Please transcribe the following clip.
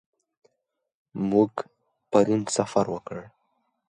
موږ پرون سفر وکړ.